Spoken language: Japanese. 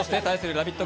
ラヴィット！